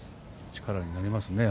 力になりますね